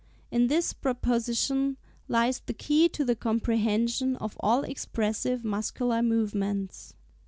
In this proposition lies the key to the comprehension of all expressive muscular movements." (s.